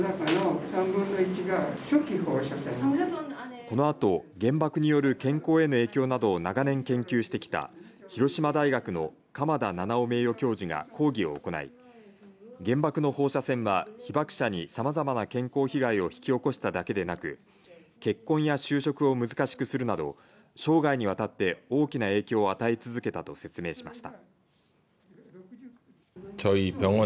このあと原爆による健康への影響などを長年研究してきた広島大学の鎌田七男名誉教授が講義を行い原爆の放射線は被ばく者にさまざまな健康被害を引き起こしただけでなく結婚や就職を難しくするなど生涯にわたって大きな影響を与え続けたと説明しました。